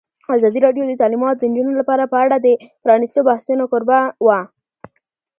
ازادي راډیو د تعلیمات د نجونو لپاره په اړه د پرانیستو بحثونو کوربه وه.